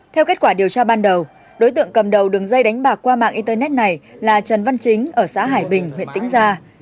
theo kết quả điều tra ban đầu đối tượng cầm đầu đường dây đánh bạc qua mạng internet này là trần văn chính ở xã hải bình huyện tĩnh gia